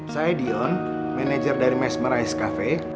saya dion manajer dari mesmer ice cafe